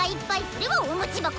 それはお餅箱！